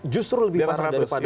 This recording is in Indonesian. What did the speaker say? justru lebih parah daripada